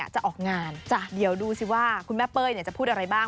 จะออกงานเดี๋ยวดูสิว่าคุณแม่เป้ยจะพูดอะไรบ้าง